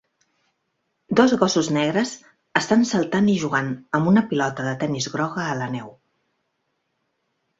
Dos gossos negres estan saltant i jugant amb una pilota de tenis groga a la neu.